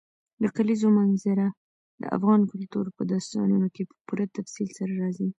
د کلیزو منظره د افغان کلتور په داستانونو کې په پوره تفصیل سره راځي.